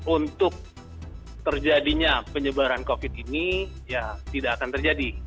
untuk terjadinya penyebaran covid ini ya tidak akan terjadi